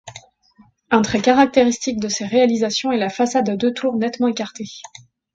Un trait caractéristique de ses réalisations est la façade à deux tours nettement écartées.